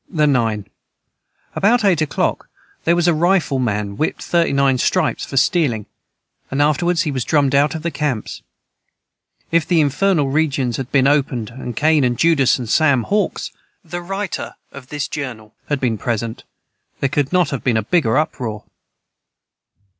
the 9. About eight o clock their was a Rifle man whipt 39 stripes for Stealing and afterwards he was Drummed out of the camps if the infernal regions had ben opened and cain and Judas and Sam Haws had been present their could not have ben a biger uproar.